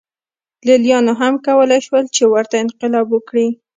لېلیانو هم کولای شول چې ورته انقلاب وکړي